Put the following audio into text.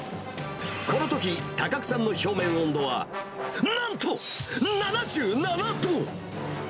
このとき、高久さんの表面温度は、なんと７７度！